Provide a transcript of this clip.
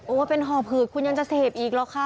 เป็นห่อผืดคุณยังจะเสพอีกหรอคะ